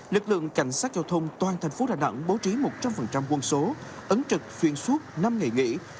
lực lượng cảnh sát giao thông toàn thành phố đà nẵng bố trí một trăm linh quân số ấn trực xuyên suốt năm ngày nghỉ